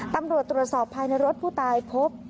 ตำรวจตรวจสอบภายในรถผู้ตายพบ